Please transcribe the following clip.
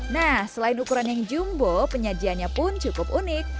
nah selain ukuran yang jumbo penyajiannya pun cukup unik